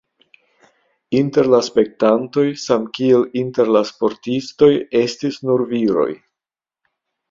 Inter la spektantoj samkiel inter la sportistoj estis nur viroj.